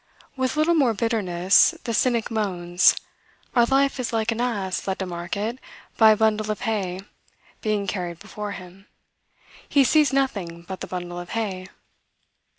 With a little more bitterness, the cynic moans: our life is like an ass led to market by a bundle of hay being carried before him: he sees nothing but the bundle of hay.